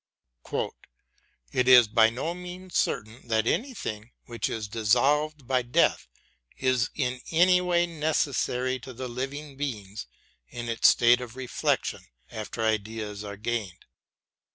: It is by no means certain that anything which is dissolved by death is in any way necessary to the living being in its state of reflection after ideas are gained.